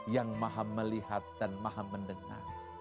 yang maha melihat dan maha mendengar